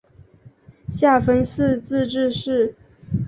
下分四自治市。